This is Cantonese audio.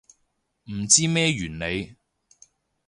唔知咩原理